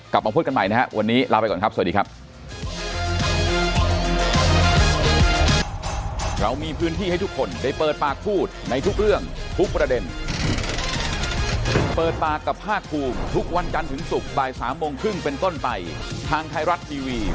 กลับมาพบกันใหม่นะครับวันนี้ลาไปก่อนครับสวัสดีครับ